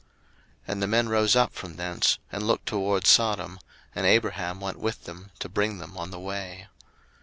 01:018:016 And the men rose up from thence, and looked toward Sodom: and Abraham went with them to bring them on the way.